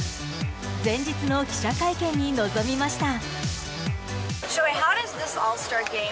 前日の記者会見に臨みました。